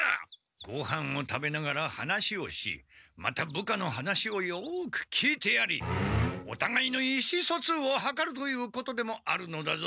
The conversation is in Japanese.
ごはんを食べながら話をしまた部下の話をよく聞いてやりおたがいの意思そつうをはかるということでもあるのだぞ。